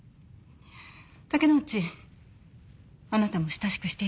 竹之内あなたも親しくしていたわね。